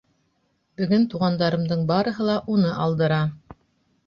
Бөгөн туғандарымдың барыһы ла уны алдыра.